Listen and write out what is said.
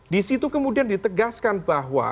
di situ kemudian ditegaskan bahwa